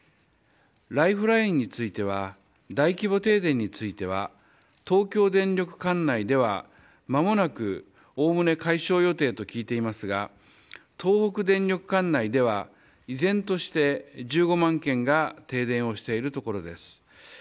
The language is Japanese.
ライフラインについては大規模停電については東京電力管内では間もなく、おおむね解消予定と聞いていますが東北電力管内では依然として１５万軒が停電をしているところです。